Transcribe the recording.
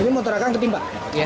ini motor akan tertimpa